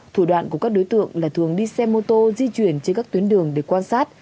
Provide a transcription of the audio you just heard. thủ đoạn của các đối tượng là thường đi xe mô tô di chuyển trên các tuyến đường để quan sát